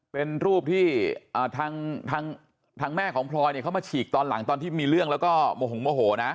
เป็นรูปที่ทางแม่ของพลอยเนี่ยเขามาฉีกตอนหลังตอนที่มีเรื่องแล้วก็โมหงโมโหนะ